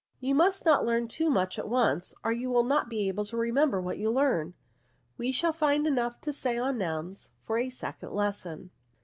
You must not learn too much at once, or you will not be able to NOUNS. remember what you learn. We shall find enough to say on nouns for a second lesson."